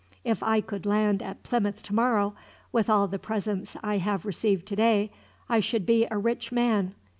If I could land at Plymouth tomorrow, with all the presents I have received today, I should be a rich man.